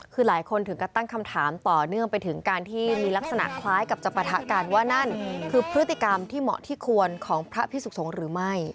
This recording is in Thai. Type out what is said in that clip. คือหลายคนถึงก็ตั้งคำถามต่อเนื่องไปถึงการที่มีลักษณะคล้ายกับจะปะทะกันว่านั่นคือพฤติกรรมที่เหมาะที่ควรของพระพิสุขสงฆ์หรือไม่